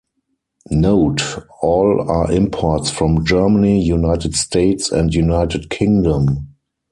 Note: All are imports from Germany, United States and United Kingdom.